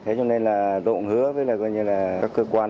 thế cho nên là tôi cũng hứa với các cơ quan